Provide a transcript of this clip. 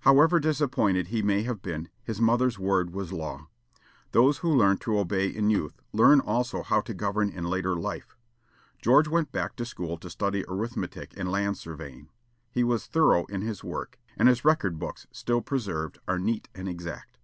However disappointed he may have been, his mother's word was law. Those who learn to obey in youth learn also how to govern in later life. George went back to school to study arithmetic and land surveying. He was thorough in his work, and his record books, still preserved, are neat and exact.